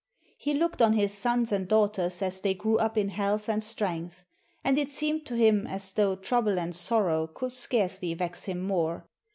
He looked on his sons and daughters as they grew up in health and strength; and it seemed to him as though trouble and sorrow could scarcely vex him more.